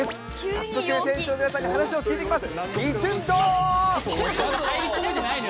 早速選手の皆さんに、話を聞いてきます。